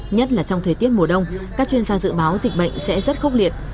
nhất là trong thời tiết mùa đông các chuyên gia dự báo dịch bệnh sẽ rất khốc liệt